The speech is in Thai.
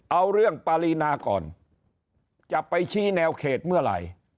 เอาเรื่องปารีนาก่อนจะไปชี้แนวเขตเมื่อไหร่